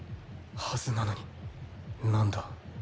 はずなのに何だ？